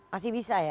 masih bisa ya